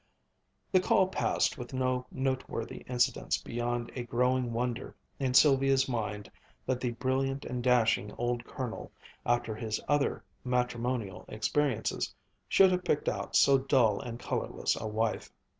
The call passed with no noteworthy incidents beyond a growing wonder in Sylvia's mind that the brilliant and dashing old Colonel, after his other matrimonial experiences, should have picked out so dull and colorless a wife.